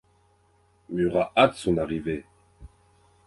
Murat hâte son arrivée.